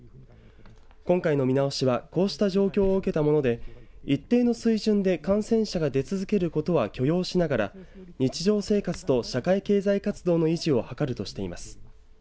今回の見直しはこうした状況を受けたもので一定の水準で感染者が出続けることは許容しながら日常生活と社会経済活動の維持を図るとしています。